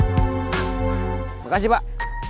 terima kasih pak